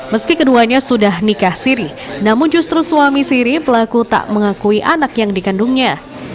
meski keduanya sudah nikah siri namun justru suami siri pelaku tak mengakui anak yang dikandungnya